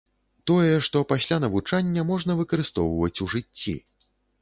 Тое, што пасля навучання, можна выкарыстоўваць у жыцці.